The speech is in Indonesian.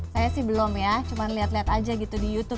saya sih belum ya cuma lihat lihat aja gitu di youtube